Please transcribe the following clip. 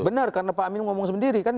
benar karena pak amin ngomong sendiri kan